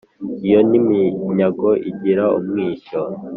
iyo ni iminyago igira umwishyo